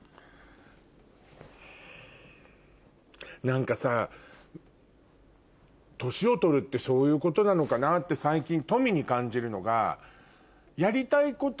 何かさ年を取るってそういうことなのかなって最近とみに感じるのが。